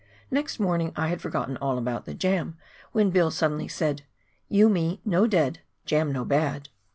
Next morning I had forgotten all about the jam, when Bill suddenly said, " You me no dead, jam no bad